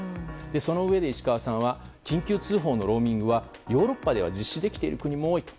そのうえで石川さんは緊急通報のローミングはヨーロッパでは実施できている国も多い。